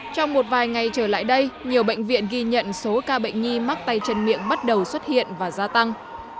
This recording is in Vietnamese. trong một vài ngày trở lại đây nhiều bệnh viện ghi nhận số ca bệnh nhi mắc tay chân miệng bắt đầu xuất hiện và gia tăng